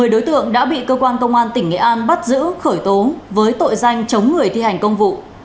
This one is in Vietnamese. một mươi đối tượng đã bị cơ quan công an tỉnh nghệ an bắt giữ khởi tố với tội danh chống người thi hành công vụ